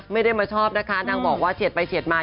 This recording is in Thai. ไม่ได้มาชอบนะคะนางบอกว่าเฉียดไปเฉียดมา